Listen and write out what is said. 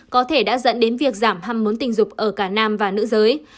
có thể đã dẫn đến việc giảm ham muốn tình dục ở cả nam và nữ giới